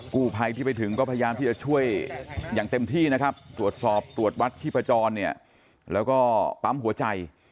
กู้ภัยที่ไปถึงก็พยายามที่จะช่วยอย่างเต็มที่นะครับตรวจสอบตรวจวัดชีพจรเนี่ยแล้วก็ปั๊มหัวใจ